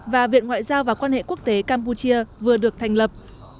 và viện ngoại giao và quan hệ quốc tế campuchia vừa được thành lập